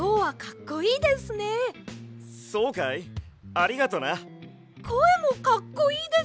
こえもかっこいいです！